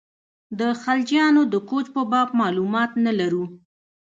د خلجیانو د کوچ په باب معلومات نه لرو.